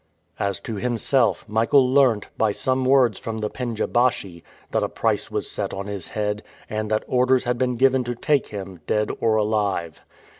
As to himself, Michael learnt, by some words from the pendja baschi, that a price was set on his head, and that orders had been given to take him, dead or alive.